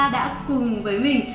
đã cùng với mình